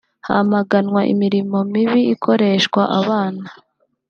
hamaganwa imirimo mibi ikoreshwa abana